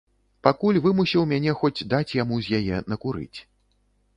Пакуль вымусіў мяне хоць даць яму з яе накурыць.